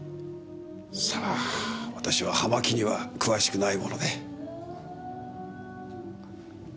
さあ私は葉巻には詳しくないもので。